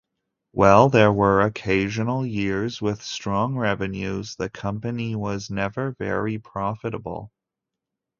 While there were occasional years with strong revenues, the company was never very profitable.